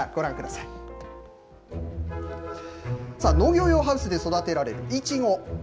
農業用ハウスで育てられるイチゴ。